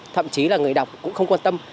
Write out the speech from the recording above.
thậm chí là người đọc cũng không quan tâm